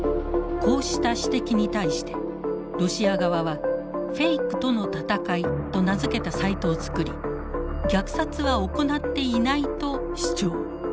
こうした指摘に対してロシア側は「フェイクとの戦い」と名付けたサイトを作り虐殺は行っていないと主張。